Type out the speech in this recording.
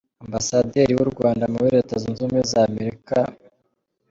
Ambasaderi w’ u Rwanda muri Leta Zunze Ubumwe za Amerika, Prof.